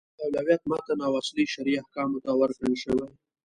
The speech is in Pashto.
اولویت متن او اصلي شرعي احکامو ته ورکړل شوی.